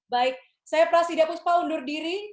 baik saya prasidya puspa undur diri